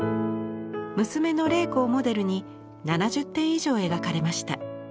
娘の麗子をモデルに７０点以上描かれました。